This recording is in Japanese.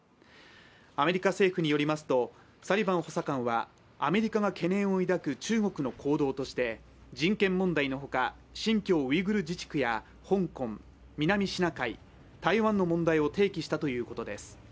アメリカ政府によりますとサリバン補佐官はアメリカが懸念を抱く中国の行動して人権問題のほか、新疆ウイグル自治区や香港、南シナ海台湾の問題を提起したということです。